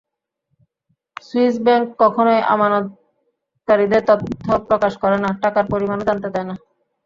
Swiss bank কখনোই আমানতকারীদের তথ্য প্রকাশ করে না, টাকার পরিমাণও জানতে দেয় না।